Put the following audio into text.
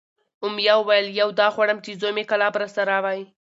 امیه وویل: یو دا غواړم چې زوی مې کلاب راسره وی،